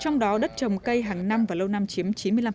trong đó đất trồng cây hàng năm và lâu năm chiếm chín mươi năm